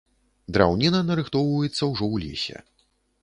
Драўніна нарыхтоўваецца ўжо ў лесе.